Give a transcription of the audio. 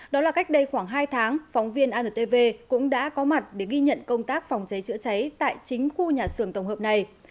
đó là cách đây khoảng hai tháng phóng viên antv cũng đã có mặt để ghi nhận công tác phòng cháy chữa cháy tại chính khu nhà xưởng tổng hợp này